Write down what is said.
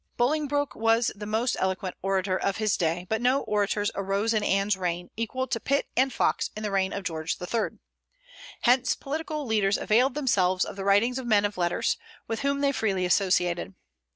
Bolingbroke was the most eloquent orator of his day; but no orators arose in Anne's reign equal to Pitt and Fox in the reign of George III. Hence the political leaders availed themselves of the writings of men of letters, with whom they freely associated.